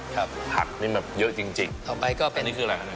ครับผักมันแบบเยอะจริงจริงต่อไปก็เป็นอันนี้คืออะไรอันนี้